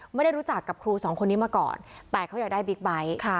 ไม่ได้รู้จักกับครูสองคนนี้มาก่อนแต่เขาอยากได้บิ๊กไบท์